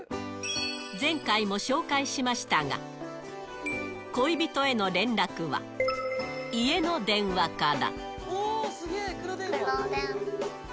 前回も紹介しましたが、恋人への連絡は家の電話から。